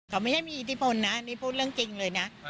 เขาไม่ใช่มีอิทธิพลนะนี่พูดเรื่องจริงเลยนะ